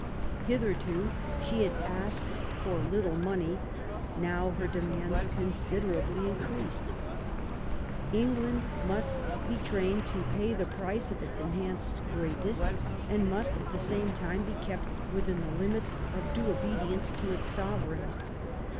Hitherto she had asked for little money ; now her demands considerably increased. England must be trained to pay the price of its enhanced greatness, and must at the same time be kept within the limits of due obedience to its Sovereign.